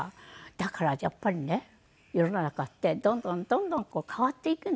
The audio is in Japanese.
だからやっぱりね世の中ってどんどんどんどん変わっていくんだなと思って。